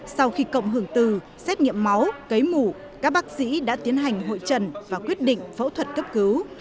sau khi cộng hưởng từ xét nghiệm máu cấy mũ các bác sĩ đã tiến hành hội trần và quyết định phẫu thuật cấp cứu